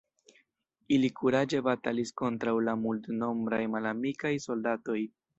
Ili kuraĝe batalis kontraŭ la multnombraj malamikaj soldatoj.